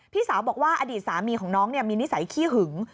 พี่สาวบอกว่าอดีตสามีของน้องมีนิสัยขี้หึง